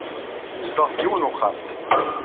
Nezdeɣ deg yiwen wexxam.